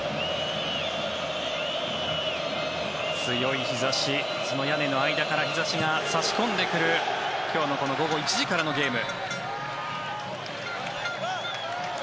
強い日差し、その屋根の間から日差しが差し込んでくる今日のこの午後１時からのゲーム。